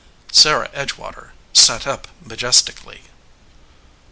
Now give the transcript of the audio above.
Sarah Edgewater sat up majestically.